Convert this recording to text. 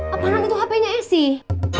apaanan itu hpnya ya sih